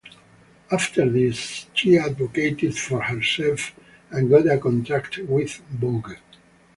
After this, she advocated for herself and got a contract with Vogue.